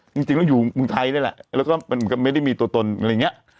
จริงจริงแล้วอยู่กรุงไทยได้แหละแล้วก็ไม่ได้มีตัวตนอะไรเงี้ย